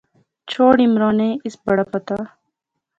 چھوڑ عمرانے، اس بڑا پتہ